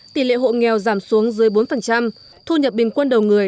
tỷ lệ hộ nghèo giảm xuống dưới bốn thu nhập bình quân đầu người